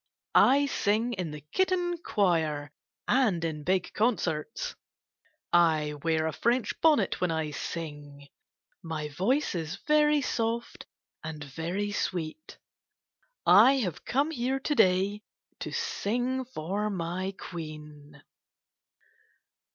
I sing in the kitten choir and in big concerts. I wear a French bonnet when I sing. My voice is very soft and very sweet. I have come here to day to sing for my Queen.